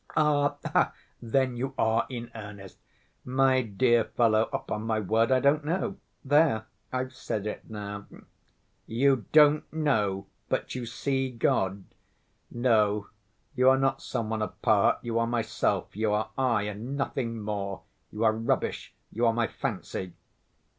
"Ah, then you are in earnest! My dear fellow, upon my word I don't know. There! I've said it now!" "You don't know, but you see God? No, you are not some one apart, you are myself, you are I and nothing more! You are rubbish, you are my fancy!"